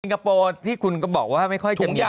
คโปร์ที่คุณก็บอกว่าไม่ค่อยจะมี